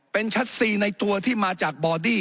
เป็นชัดซีในตัวที่มาจากบอดี้